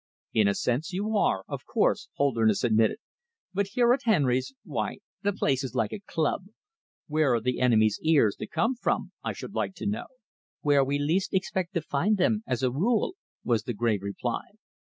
"In a sense you are, of course," Holderness admitted, "but here at Henry's why, the place is like a club. Where are the enemies' ears to come from, I should like to know?" "Where we least expect to find them, as a rule," was the grave reply.